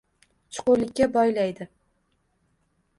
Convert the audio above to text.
Chuqurlikka bo‘ylaydi.